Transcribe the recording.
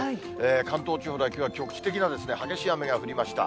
関東地方では、きょうは局地的な激しい雨が降りました。